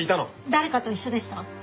誰かと一緒でした？